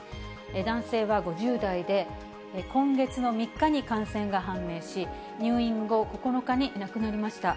男性は５０代で、今月の３日に感染が判明し、入院後、９日に亡くなりました。